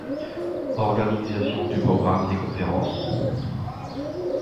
Organisation du programme des conférences.